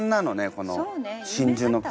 この真珠の粉。